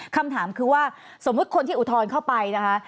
คำถามคือว่าสมมุติคนที่อุทธรณ์เข้าไปนะคะ